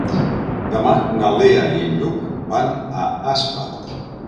Demà na Lea i en Lluc van a Aspa.